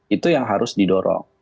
itu yang harus didorong